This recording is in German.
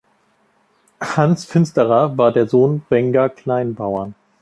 Hans Finsterer war der Sohn Wenger Kleinbauern.